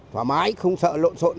thoải mái không sợ lộn xộn